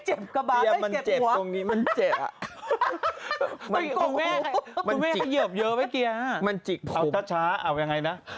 เอายังไงนะ